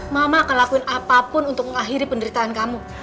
mama akan lakuin apapun untuk mengakhiri penderitaan kamu